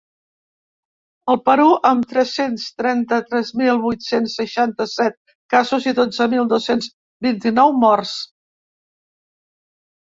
El Perú, amb tres-cents trenta-tres mil vuit-cents seixanta-set casos i dotze mil dos-cents vint-i-nou morts.